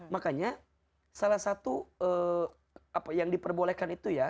makanya salah satu apa yang diperbolehkan itu ya